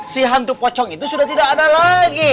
si hantu pocong itu sudah tidak ada lagi